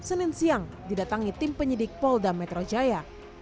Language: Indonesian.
senin siang didatangi tim penyidik polda metro jaya